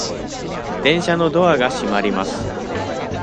電車のドアが閉まります。